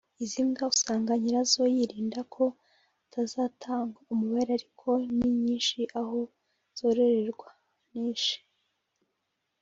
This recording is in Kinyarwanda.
Izi mbwa usanga nyirazo yirinda ko hatangazwa umubare ariko ni nyinshi aho zororerwa (niche)